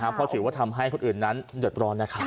เพราะถือว่าทำให้คนอื่นนั้นเดือดร้อนนะครับ